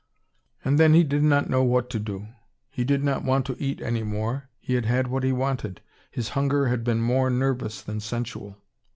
And then he did not know what to do. He did not want to eat any more, he had had what he wanted. His hunger had been more nervous than sensual.